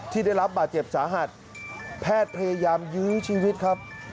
ที่ได้รับบาดเจ็บสาหัสแพทย์พยายามยื้อชีวิตครับ